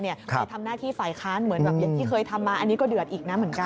ไปทำหน้าที่ฝ่ายค้านเหมือนแบบอย่างที่เคยทำมาอันนี้ก็เดือดอีกนะเหมือนกัน